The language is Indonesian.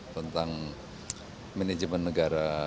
tentang manajemen negara